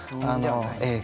ええ。